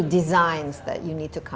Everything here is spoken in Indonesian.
desain baru yang anda perlu